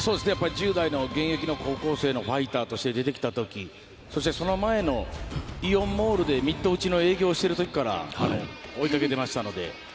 １０代で現役高校生ファイターとして出てきた時その前のイオンモールでミット打ちの営業をしている時から追いかけてましたので。